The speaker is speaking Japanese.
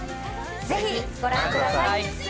ぜひご覧ください！